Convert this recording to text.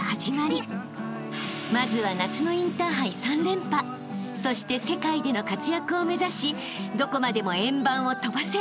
［まずは夏のインターハイ３連覇そして世界での活躍を目指しどこまでも円盤を飛ばせ！